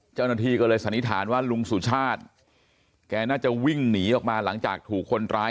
เจ้าหน้าที่ก็เลยสันนิษฐานว่าลุงสุชาติแกน่าจะวิ่งหนีออกมาหลังจากถูกคนร้าย